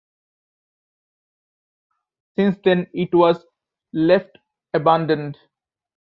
Since then, it was left abandoned.